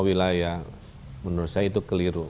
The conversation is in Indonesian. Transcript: wilayah menurut saya itu keliru